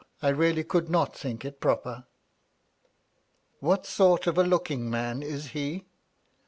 I really could not think it proper." " What sort of a looking man is he